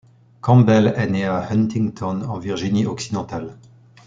Campbell est né à Huntington en Virginie-Occidentale.